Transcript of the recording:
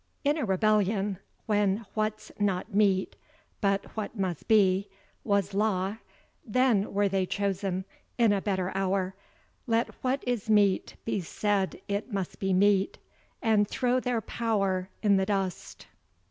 ... In a rebellion, When what's not meet, but what must be, was law, Then were they chosen, in a better hour, Let what is meet be said it must be meet, And throw their power i' the dust.